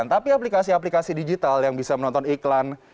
tapi aplikasi aplikasi digital yang bisa menonton iklan